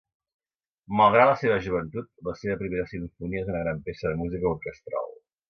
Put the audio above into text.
Malgrat la seva joventut, la seva primera simfonia és una gran peça de música orquestral.